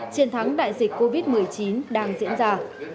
chiến thắng đại dịch covid một mươi chín đang diễn ra